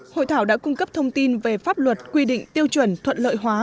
hội thảo đã cung cấp thông tin về pháp luật quy định tiêu chuẩn thuận lợi hóa